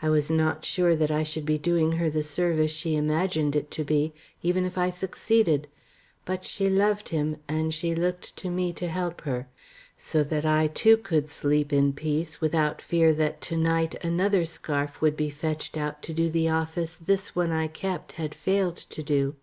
I was not sure that I should be doing her the service she imagined it to be, even if I succeeded. But she loved him, and looked to me to help her. So that I, too, could sleep in peace without fear that to night another scarf would be fetched out to do the office this one I kept had failed to do.